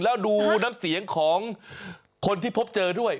แล้วดูน้ำเสียงของคนที่พบเจอด้วย